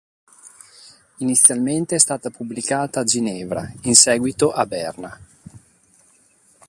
Inizialmente è stata pubblicata a Ginevra, in seguito a Berna.